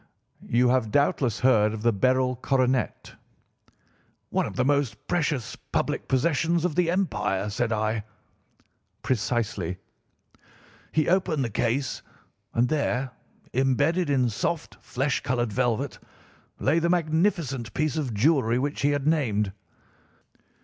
'You have doubtless heard of the Beryl Coronet?' "'One of the most precious public possessions of the empire,' said I. "'Precisely.' He opened the case, and there, imbedded in soft, flesh coloured velvet, lay the magnificent piece of jewellery which he had named.